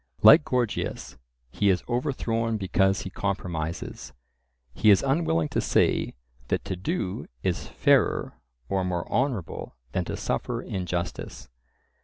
Like Gorgias, he is overthrown because he compromises; he is unwilling to say that to do is fairer or more honourable than to suffer injustice.